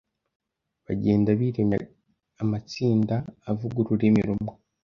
Bagenda biremye amatsinda avuga ururimi rumwe